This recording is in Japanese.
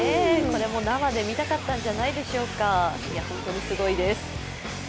これも生で見たかったんじゃないでしょうか、本当にすごいです。